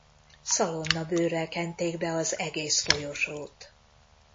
Szalonnabőrrel kenték be az egész folyosót.